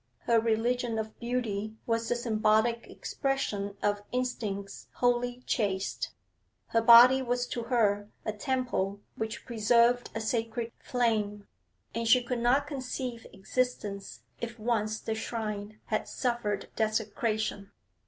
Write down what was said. Her religion of beauty was the symbolic expression of instincts wholly chaste; her body was to her a temple which preserved a sacred flame, and she could not conceive existence if once the shrine had suffered desecration.